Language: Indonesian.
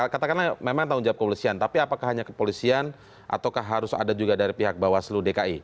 katakanlah memang tanggung jawab kepolisian tapi apakah hanya kepolisian ataukah harus ada juga dari pihak bawaslu dki